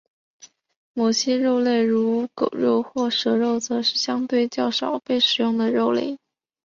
某些肉类如狗肉或蛇肉则是相对较少被食用的肉类。